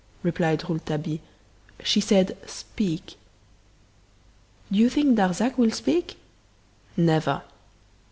replied Rouletabille. "She said 'Speak!'" "Do you think Darzac will speak?" "Never."